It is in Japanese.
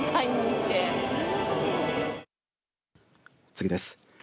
次です。